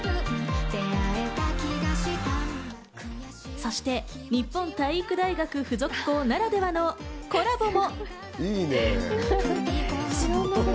そして日本体育大学付属校ならではのコラボも。